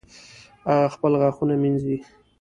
هغه خپل غاښونه مینځي